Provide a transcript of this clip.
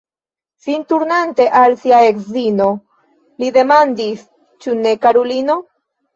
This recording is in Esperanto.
Sin turnante al sia edzino, li demandis: Ĉu ne, karulino?